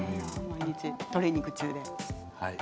トレーニング中で。